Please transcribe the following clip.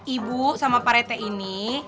ibu sama parete ini